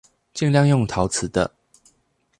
盡量用陶瓷的